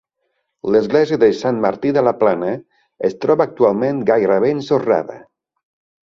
L'església de Sant Martí de la Plana es troba actualment gairebé ensorrada.